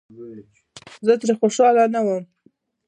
زه ترې خوښ نه ووم